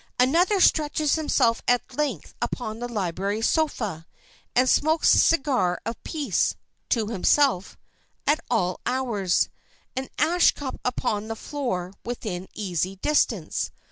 Another stretches himself at length upon the library sofa, and smokes the cigar of peace (to himself) at all hours, an ash cup upon the floor within easy distance.